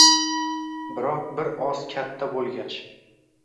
biroq bir oz katta bo‘lgach